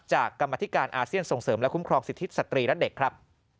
กรรมธิการอาเซียนส่งเสริมและคุ้มครองสิทธิสตรีและเด็กครับ